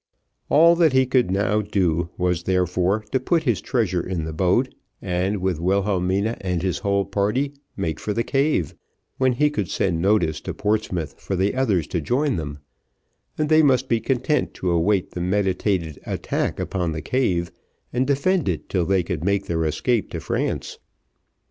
All that he could do now, was, therefore, to put his treasure in the boat, and with Wilhelmina and his whole party make for the cave, when he could send notice to Portsmouth for the others to join them, and they must be content to await the meditated attack upon the cave, and defend it till they could make their escape to France.